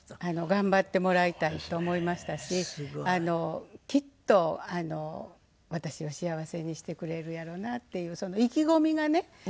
頑張ってもらいたいと思いましたしきっと私を幸せにしてくれるやろなっていうその意気込みがね。